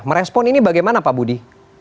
merespon ini bagaimana pak budi